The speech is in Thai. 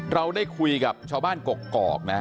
เราได้คุยกับชาวบ้านกกอกนะ